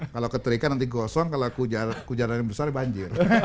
kalau keterikan nanti gosong kalau hujan besar banjir